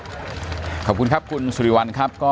อย่างที่บอกไปว่าเรายังยึดในเรื่องของข้อ